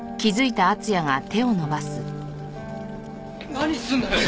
何するんだよ！